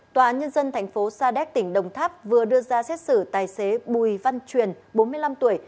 tòa án nhân dân tp sa đéc tỉnh đồng tháp vừa đưa ra xét xử tài xế bùi văn truyền bốn mươi năm tuổi